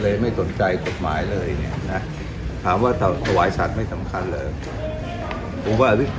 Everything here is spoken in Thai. เรียกไม่สนใจกฎหมายเลยนะเรามและวายสรัจไม่สำคัญเลยแล้วกูว่าวิปาล